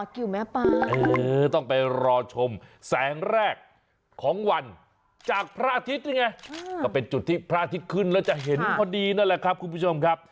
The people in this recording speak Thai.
กิวแม่ปลาต้องไปรอชมแสงแรกของวันจากพระอาทิตย์นี่ไงก็เป็นจุดที่พระอาทิตย์ขึ้นแล้วจะเห็นพอดีนั่นแหละครับคุณผู้ชมครับ